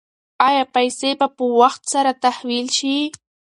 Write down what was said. ایا پیسې به په وخت سره تحویل شي؟